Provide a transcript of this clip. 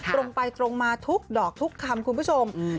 ตรงไปตรงมาทุกดอกทุกคำคุณผู้ชม